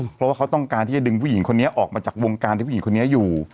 เพราะว่าเขาต้องการที่จะดึงผู้หญิงคนนี้ออกมาจากวงการที่ผู้หญิงคนนี้อยู่